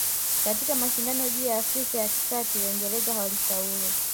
Katika mashindano juu ya Afrika ya Kati Waingereza walifaulu